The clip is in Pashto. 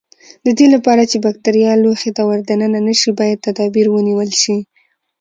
د دې لپاره چې بکټریا لوښي ته ور دننه نشي باید تدابیر ونیول شي.